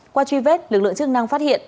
qua truy vết lực lượng chức năng phát hiện